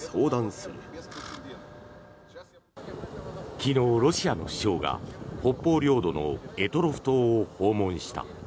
昨日、ロシアの首相が北方領土の択捉島を訪問した。